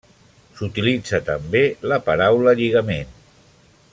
S'utilitza també la paraula lligament.